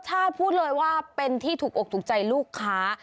ชาติพูดเลยว่าเป็นที่ถูกอกถูกใจลูกค้า